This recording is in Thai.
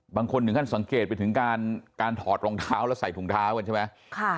บางคนหนึ่งท่านสังเกตไปถึงการการถอดรองเท้าและใส่ถุงเท้ากันใช่ไหมค่ะ